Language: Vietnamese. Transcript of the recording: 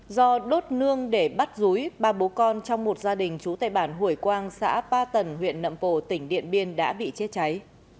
do đốt nương để bắt rúi ba bố con trong một gia đình trú tại bản hủy quang xã ba tần huyện nậm pồ tỉnh điện biên đã bị chết cháy